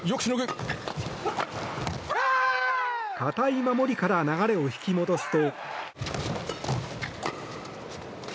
堅い守りから流れを引き戻すと。